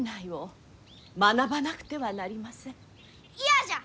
嫌じゃ！